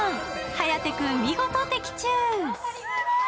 颯君、見事的中。